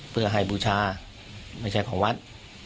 เพื่อให้บูชาไม่ใช่ของวัด